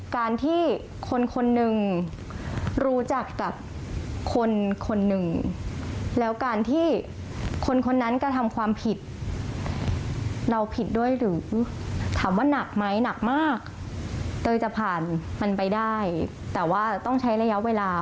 การที่คนคนหนึ่งรู้จักกับคนคนหนึ่งแล้วการที่คนคนนั้นกระทำความผิดเราผิดด้วยหรือถามว่าหนักไหมหนักมากเตยจะผ่านมันไปได้แต่ว่าต้องใช้ระยะเวลา